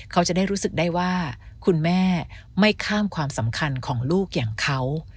เขาจะได้รู้สึกได้ว่าคุณแม่ไม่ข้ามความสำคัญของลูกอย่างเขา